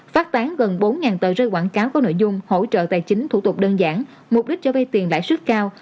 phát tán gần bốn tờ rơi quảng cáo có nội dung hỗ trợ tài chính thủ tục đơn giản mục đích cho vay tiền lãi suất cao